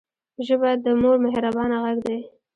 ژبه د مور مهربانه غږ دی